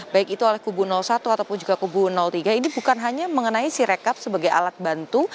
baik itu oleh kubu satu ataupun juga kubu tiga ini bukan hanya mengenai sirekap sebagai alat bantu